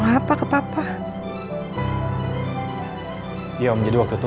masa tidak ada kira kira maksimal atau apa